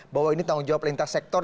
bahwa ini tanggung jawab lintas sektor